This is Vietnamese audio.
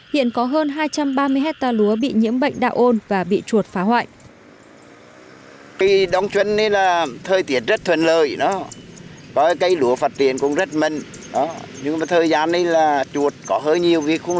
hiện có hơn hai trăm ba mươi hectare lúa bị nhiễm bệnh đạo ôn và bị chuột phá hoại